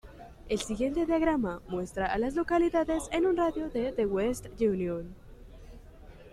El siguiente diagrama muestra a las localidades en un radio de de West Union.